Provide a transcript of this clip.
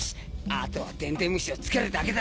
あとは電伝虫をつけるだけだ。